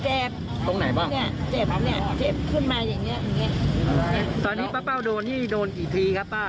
เจ็บตรงไหนบ้างเจ็บขนาดนี้เจ็บขึ้นมาอย่างนี้ตอนนี้ป้าเป้าโดนนี่โดนกี่ทีครับป้า